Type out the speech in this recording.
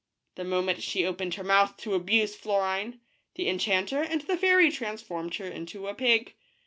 The moment she opened her mouth to abuse Florine, the enchanter and the fairy transformed her into a pig.